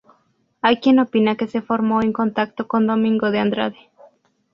Hay quien opina que se formó en contacto con Domingo de Andrade.